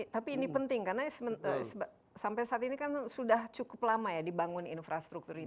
tapi ini penting karena sampai saat ini kan sudah cukup lama ya dibangun infrastruktur ini